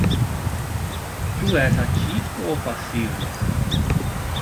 Tu és ativo ou passivo?